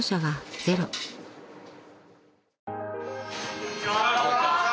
こんちは！